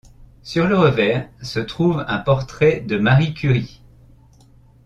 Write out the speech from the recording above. Sur le revers, se trouve un portrait de Marie Curie.